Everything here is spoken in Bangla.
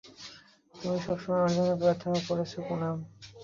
তুমি সবসময় আমার জন্য প্রার্থনা করেছো, পুনাম।